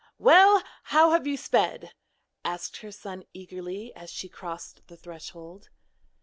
'Well, how have you sped?' asked her son eagerly as she crossed the threshold.